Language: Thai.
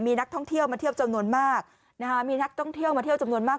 มีนักท่องเที่ยวมาเที่ยวจำนวนมากนะฮะมีนักท่องเที่ยวมาเที่ยวจำนวนมาก